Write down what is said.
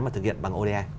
mà thực hiện bằng oda